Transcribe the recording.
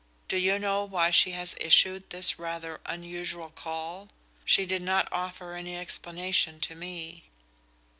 Do you know why she has issued this rather unusual call? She did not offer any explanation to me."